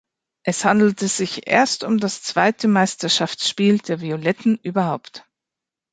Es handelte sich erst um das zweite Meisterschaftsspiel der Violetten überhaupt.